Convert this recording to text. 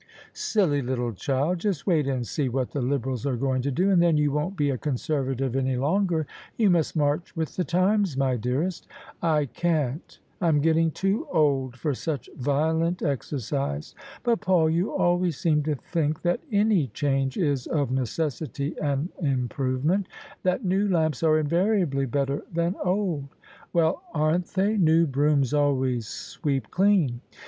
" Silly little child ! Just wait and see what the Liberals are going to do, and then you won't be a Conservative any longer. You must march with the times, my dearest." " I can't. I'm getting too old for such violent exercise. But, Paul, you always seem to think that any change is of necessity an improvement — that new lamps are invariably better than old." "Well, aren't they? New brooms always sweep dean."